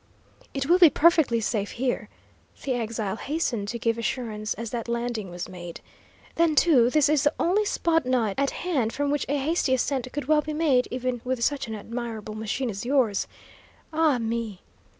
"It will be perfectly safe here," the exile hastened to give assurance, as that landing was made. "Then, too, this is the only spot nigh at hand from which a hasty ascent could well be made, even with such an admirable machine as yours. Ah, me!"